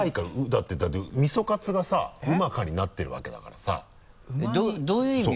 だってだって「味噌カツ」がさ「うまか」になってるわけだからさどういう意味？